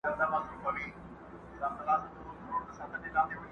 o لمر په دوو گوتو نه پټېږي٫